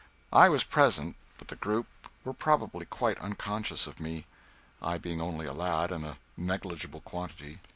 I was present, but the group were probably quite unconscious of me, I being only a lad and a negligible quantity.